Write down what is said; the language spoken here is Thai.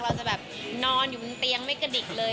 เราจะแบบนอนอยู่บนเตียงไม่กระดิกเลย